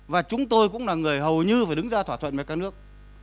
và chúng tôi cũng là người hầu như phải đứng ra thỏa thuận với các nước